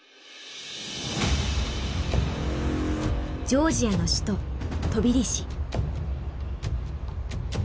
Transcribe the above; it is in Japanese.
ジョージアの首都トビリシ。